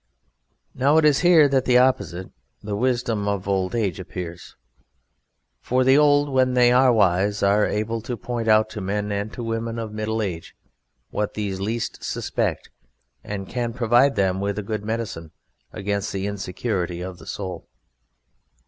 Now it is here that the opposite, the wisdoms of old age appears; for the old, when they are wise, are able to point out to men and to women of middle age what these least suspect, and can provide them with a good medicine against the insecurity of the soul.